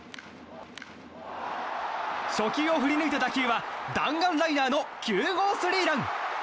初球を振りぬいた打球は弾丸ライナーの９号スリーラン！